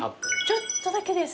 ちょっとだけです。